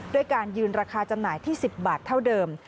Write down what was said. การยืนราคาจำหน่ายที่๑๐บาทเท่าเดิม